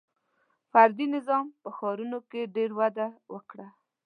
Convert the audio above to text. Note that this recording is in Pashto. • فردي نظام په ښارونو کې ډېر وده وکړه.